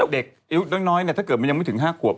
เด็กอายุน้อยถ้าเกิดมันยังไม่ถึง๕ขวบ